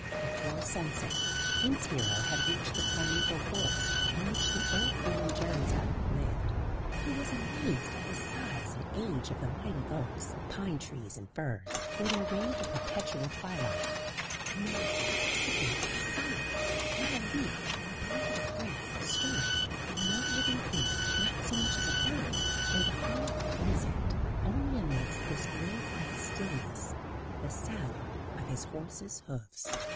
Before sunset Prince Hero had reached the primeval forest in which the old woman Jandza lived. He was amazed at the size and age of the mighty oaks, pine trees and firs, where there reigned a perpetual twilight. And there was absolute silence not a leaf or a blade of grass stirring; and no living thing, not so much as a bird, or the hum of an insect; only amidst this grave like stillness the sound of his horse's hoofs.